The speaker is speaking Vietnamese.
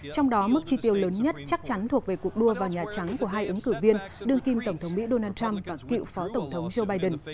trong đó mức chi tiêu lớn nhất chắc chắn thuộc về cuộc đua vào nhà trắng của hai ứng cử viên đương kim tổng thống mỹ donald trump và cựu phó tổng thống joe biden